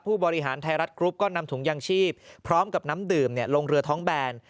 ผู้บริหารไทยรัฐกรุ๊ปก็นำถุงยางชีพพร้อมกับน้ำดื่มลงเรือท้องแบน